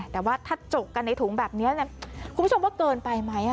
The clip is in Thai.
แต่ว่าถ้าจกกันในถุงแบบนี้คุณผู้ชมว่าเกินไปไหม